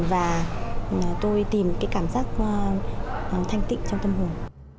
và tôi tìm cái cảm giác thanh tịnh trong tâm hồn